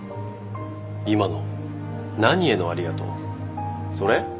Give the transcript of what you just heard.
今の何への「ありがとう」？それ？